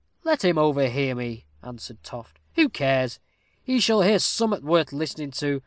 "Let him overhear me," answered Toft; "who cares? he shall hear summat worth listening to.